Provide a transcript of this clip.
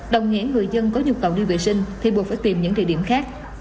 đồng nghĩa người dân có nhu cầu đi vệ sinh thì buộc phải tìm những địa điểm khác